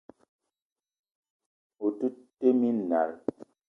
O te tee minal.